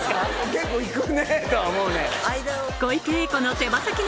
結構いくねとは思うね。